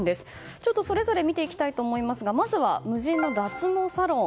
ちょっとそれぞれ見ていきたいと思いますがまずは無人の脱毛サロン。